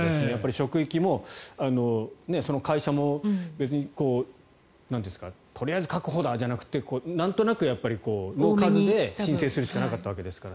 職域も会社も別にとりあえず確保だじゃなくてなんとなくの数で申請するしかなかったわけですから。